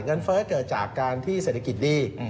เฟ้อเกิดจากการที่เศรษฐกิจดี